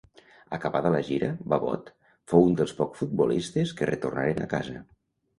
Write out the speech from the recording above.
Acabada la gira, Babot fou un dels pocs futbolistes que retornaren a casa.